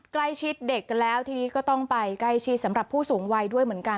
ใกล้ชิดเด็กกันแล้วทีนี้ก็ต้องไปใกล้ชิดสำหรับผู้สูงวัยด้วยเหมือนกัน